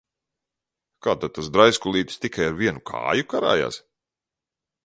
Kā tad tas draiskulītis tikai ar vienu kāju karājās?